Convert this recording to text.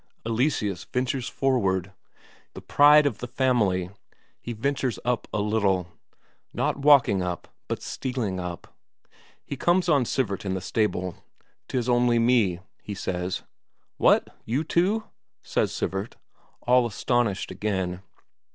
Eleseus ventures forward; the pride of the family, he ventures up a little. Not walking up, but stealing up; he comes on Sivert in the stable. "'Tis only me," he says. "What you too?" says Sivert, all astonished again.